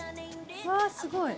うわー、すごい。